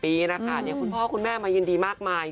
ครูแล้วคุณพ่อคุณแม่มีเรียนเยอะมากทั้งคนมายินดีมากมาย